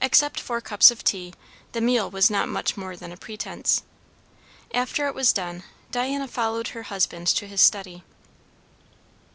Except for cups of tea, the meal was not much more than a pretence. After it was done, Diana followed her husband to his study.